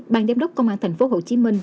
ban đếm đốc công an tp hcm